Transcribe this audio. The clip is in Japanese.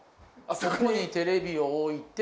ここにテレビを置いて。